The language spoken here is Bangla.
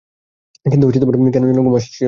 কিন্তু কেন যেন ঘুম আসছিলনা।